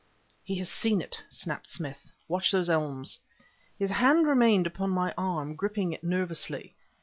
"He has seen it!" snapped Smith. "Watch those elms." His hand remained upon my arm, gripping it nervously.